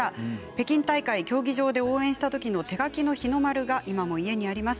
北京大会競技場で応援したときの手書きの日の丸が今も家にあります。